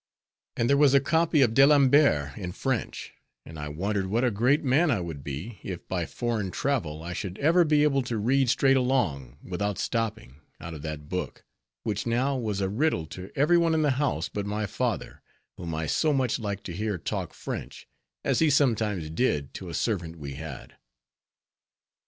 And there was a copy of D'Alembert in French, and I wondered what a great man I would be, if by foreign travel I should ever be able to read straight along without stopping, out of that book, which now was a riddle to every one in the house but my father, whom I so much liked to hear talk French, as he sometimes did to a servant we had.